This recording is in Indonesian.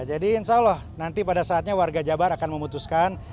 jadi insya allah nanti pada saatnya warga jabar akan memutuskan